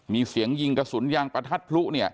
มีเสียงยิงกระสุนยางประทัดพลุเนี่ย